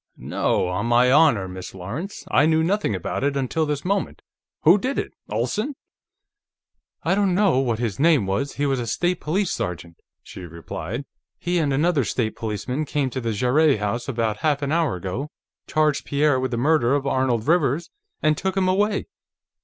"No; on my honor, Miss Lawrence. I knew nothing about it until this moment. Who did it? Olsen?" "I don't know what his name was. He was a State Police sergeant," she replied. "He and another State Policeman came to the Jarrett house about half an hour ago, charged Pierre with the murder of Arnold Rivers, and took him away.